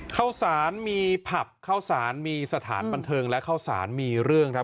ข้าวสารมีผับข้าวสารมีสถานบันเทิงและข้าวสารมีเรื่องครับ